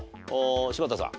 柴田さん。